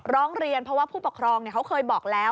ร้องเรียนเพราะว่าผู้ปกครองเขาเคยบอกแล้ว